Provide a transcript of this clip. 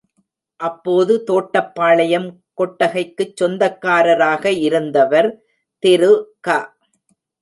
அப்போது தோட்டப்பாளையம் கொட்டகைக்குச் சொந்தக்காரராக இருந்தவர் திரு க.